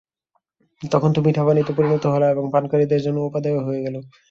তখন তা মিঠা পানিতে পরিণত হল এবং পানকারীদের জন্যে উপাদেয় হয়ে গেল।